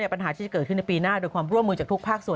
ปัญหาที่จะเกิดขึ้นในปีหน้าโดยความร่วมมือจากทุกภาคส่วน